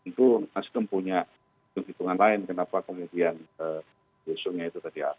tentu nasdem punya hitung hitungan lain kenapa kemudian diusungnya itu tadi